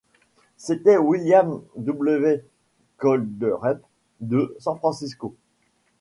C’était William W. Kolderup, de San-Francisco.